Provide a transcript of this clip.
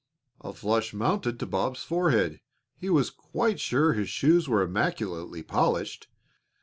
A flush mounted to Bob's forehead. He was quite sure his shoes were immaculately polished.